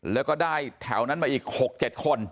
แล้วก็ได้แถวนั้นมาอีก๖๗คน